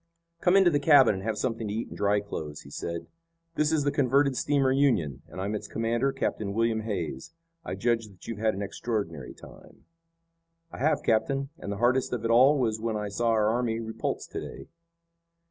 "Come into the cabin and have something to eat and dry clothes," he said. "This is the converted steamer Union, and I'm its commander, Captain William Hays. I judge that you've had an extraordinary time." "I have, captain, and the hardest of it all was when I saw our army repulsed to day."